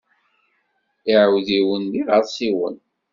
Iɛudiwen d iɣersiwen.